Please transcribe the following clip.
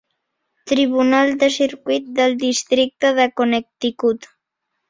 Tribunal de Circuit del Districte de Connecticut.